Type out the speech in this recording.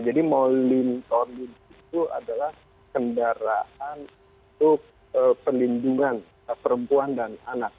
jadi molin tolin itu adalah kendaraan untuk perlindungan perempuan dan anak